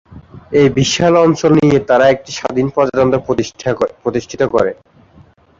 এই বিশাল অঞ্চল নিয়ে তারা একটি স্বাধীন প্রজাতন্ত্র প্রতিষ্ঠিত করে।